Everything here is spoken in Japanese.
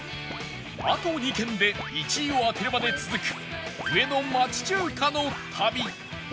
あと２軒で１位を当てるまで続く上野町中華の旅